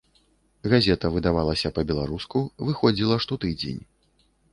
Газета выдавалася па-беларуску, выходзіла штотыдзень.